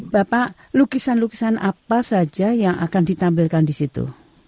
bapak lukisan lukisan apa saja yang akan ditampilkan di situ